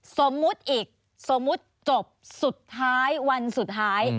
สมมุติอีกสมมุติจบสุดท้ายวันสุดท้าย